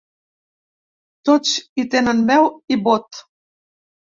Tots hi tenen veu i vot.